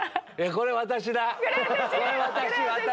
これ私私！